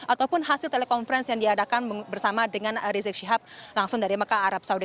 ataupun hasil telekonferensi yang diadakan bersama dengan rizik syihab langsung dari mekah arab saudi